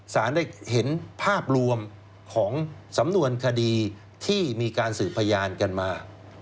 สารได้เห็นภาพรวมของสำนวนคดีที่มีการสืบพยานกันมา